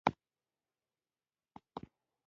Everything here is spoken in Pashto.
_ها ورته وګوره! کراره پرته ده.